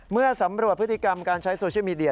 เมื่อสำรวจพฤติกรรมการใช้โซเชียลมีเดีย